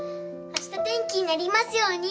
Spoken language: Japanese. あした天気になりますように。